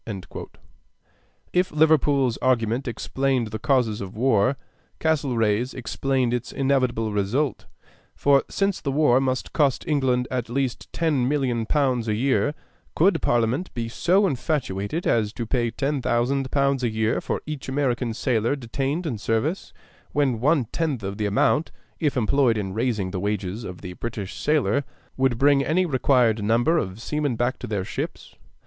If Liverpool's argument explained the causes of war, Castlereagh's explained its inevitable result; for since the war must cost England at least 10,000,000 pounds a year, could Parliament be so infatuated as to pay 10,000 pounds a year for each American sailor detained in service, when one tenth of the amount, if employed in raising the wages of the British sailor, would bring any required number of seamen back to their ships?